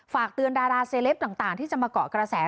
ฝากเตือนดาราเซเลปต่างที่จะมาเกาะกระแส